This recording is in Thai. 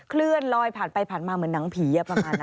คลื่นลอยผ่านไปผ่านมาเหมือนหนังผี